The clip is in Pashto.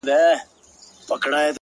ته چي راغلې سپين چي سوله تور باڼه؛